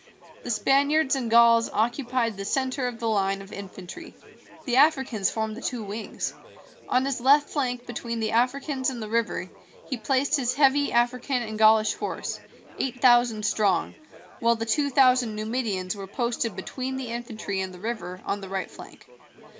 The Spaniards and Gauls occupied the centre of the line of infantry. The Africans formed the two wings. On his left flank between the Africans and the river he placed his heavy African and Gaulish horse, eight thousand strong, while the two thousand Numidians were posted between the infantry and the river on the right flank.